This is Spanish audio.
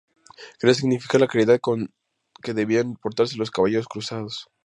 Quería significar la caridad con que debían portarse los caballeros cruzados.